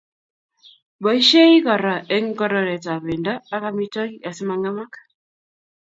Boishei kora eng konoret ab bendo ak amitwokik asimangemak.